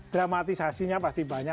dramatisasinya pasti banyak